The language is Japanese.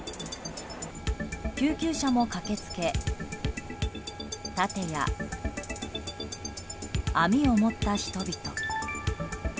救急車も駆けつけ盾や、網を持った人々。